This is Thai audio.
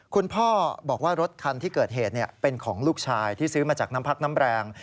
คุณพ่อบอกว่ารถคันที่เกิดเหตุเป็นของลูกชายที่ซื้อมาจากน้ำพักน้ำแรง